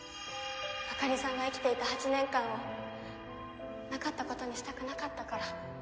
あかりさんが生きていた８年間をなかったことにしたくなかったから。